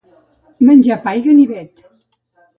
Menjar pa i ganivet.